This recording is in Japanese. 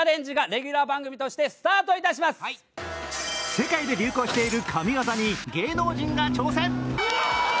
世界で流行している神業に芸能人が挑戦。